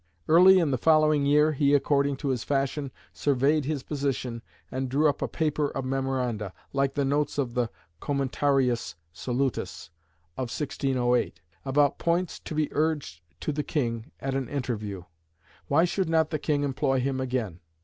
Early in the following year he, according to his fashion, surveyed his position, and drew up a paper of memoranda, like the notes of the Commentarius Solutus of 1608, about points to be urged to the King at an interview. Why should not the King employ him again?